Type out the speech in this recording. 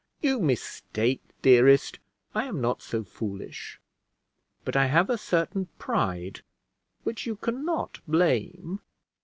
"You mistake, dearest; I am not so foolish; but I have a certain pride, which you can not blame.